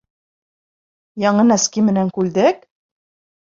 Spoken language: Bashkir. Яңы нәски менән күлдәк?